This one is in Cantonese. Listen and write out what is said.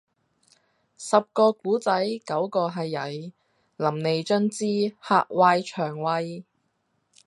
十個古仔，九個係曳，淋漓盡致，嚇壞腸胃